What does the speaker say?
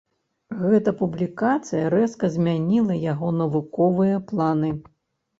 Гэта публікацыя рэзка змяніла яго навуковыя планы.